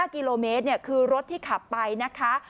๕กิโลเมตรคือรถที่ขับไปนะคะ